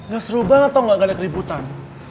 gak seru banget tau gak ada keributan